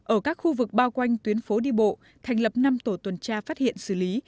ở các khu vực bao quanh tuyến phố đi bộ thành lập năm tổ tuần tra phát hiện xử lý